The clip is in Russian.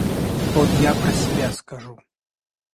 Вот я про себя скажу.